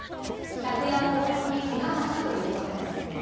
客や行員にけがはないということです。